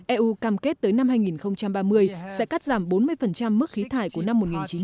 eu cam kết tới năm hai nghìn ba mươi sẽ cắt giảm bốn mươi mức khí thải của năm một nghìn chín trăm bảy mươi